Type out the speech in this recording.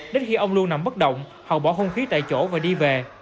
đến khi ông luân nằm bất động hậu bỏ không khí tại chỗ và đi về